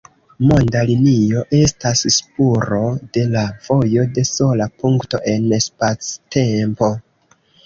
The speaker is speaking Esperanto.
Monda linio estas spuro de la vojo de sola punkto en spactempo.